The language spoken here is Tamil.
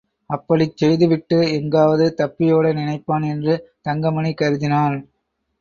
அப்படிச் செய்துவிட்டு எங்காவது தப்பியோட நினைப்பான், என்று தங்கமணி கருதினான்.